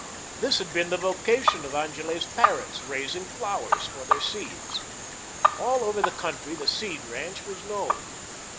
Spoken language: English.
This had been the vocation of Angele's parents raising flowers for their seeds. All over the country the Seed ranch was known.